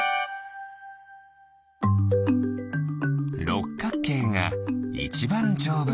ろっかくけいがいちばんじょうぶ！